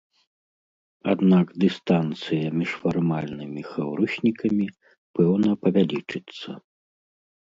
Аднак дыстанцыя між фармальнымі хаўруснікамі пэўна павялічыцца.